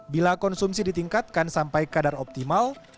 bila konsumsi ditingkatkan sampai kadar optimal